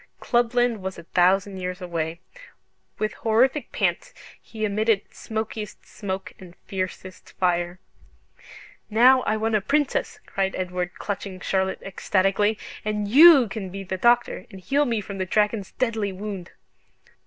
Clubland was a thousand years away. With horrific pants he emitted smokiest smoke and fiercest fire. "Now I want a Princess," cried Edward, clutching Charlotte ecstatically; "and YOU can be the doctor, and heal me from the dragon's deadly wound."